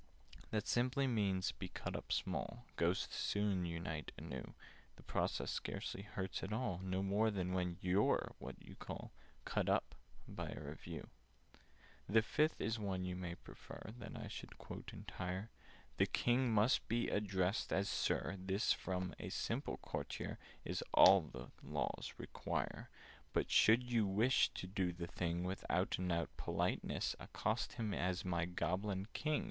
"That simply means 'be cut up small': Ghosts soon unite anew. The process scarcely hurts at all— Not more than when you 're what you call 'Cut up' by a Review. "The Fifth is one you may prefer That I should quote entire:— The King must be addressed as 'Sir.' This, from a simple courtier, Is all the Laws require: "But, should you wish to do the thing With out and out politeness, Accost him as 'My Goblin King!